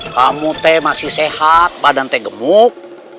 kamu masih sehat badan gemuk